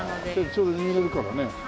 ちょうど握れるからね。